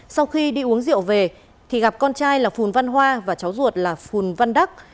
sau khi đi uống rượu về thì gặp con trai là phùn văn hoa và cháu ruột là phùn văn đắc